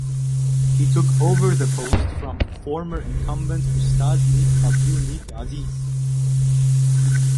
He took over the post from former incumbent Ustaz Nik Abduh Nik Aziz.